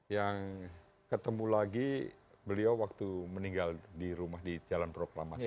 yang ketemu lagi beliau waktu meninggal di rumah di jalan proklamasi